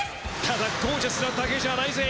ただゴージャスなだけじゃないぜ！